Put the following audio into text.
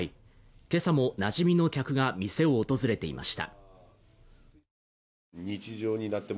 今朝もなじみの客が店を訪れていました。